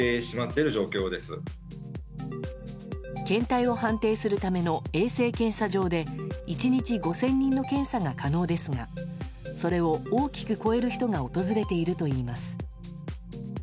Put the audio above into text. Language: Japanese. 検体を判定するための衛生検査場で１日５０００人の検査が可能ですがそれを大きく超える人が訪れているといいます。